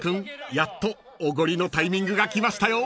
やっとおごりのタイミングがきましたよ］